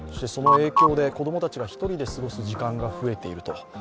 その影響で子供たちが１人で過ごす時間が増えていると。